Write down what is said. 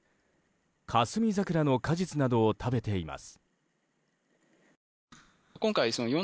カスミザクラの果実などを食べています。